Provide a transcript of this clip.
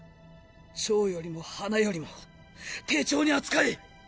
蝶よりも花よりも丁重に扱え！